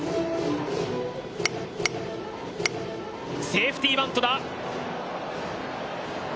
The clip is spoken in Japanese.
セーフティーバントだ。